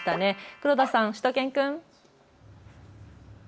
黒田さん、しゅと犬くん。